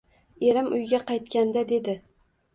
Erim uyga qaytganda dedi: